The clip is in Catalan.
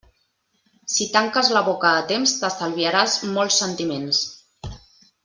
Si tanques la boca a temps, t'estalviaràs molts sentiments.